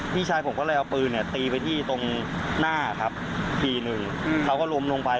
พี่ชายผมก็เลยเอาปืนเนี่ยตีไปที่ตรงหน้าครับทีหนึ่งเขาก็ล้มลงไป